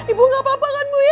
ibu gak apa apa kan buya